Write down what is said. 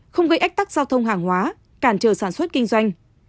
không gây ách tắc giao thông hàng hóa cản trở sản xuất kinh doanh